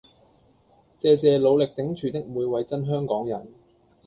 謝謝努力頂住的每位真香港人